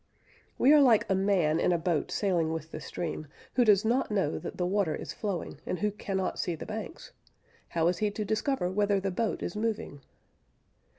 "We are like a man in a boat sailing with the stream, who does not know that the water is flowing, and who cannot see the banks: how is he to discover whether the boat is moving?"